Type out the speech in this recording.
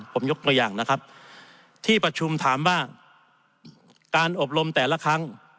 ผมยกตัวอย่างนะครับที่ประชุมถามว่าการอบรมแต่ละครั้ง